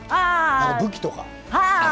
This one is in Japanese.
武器とか？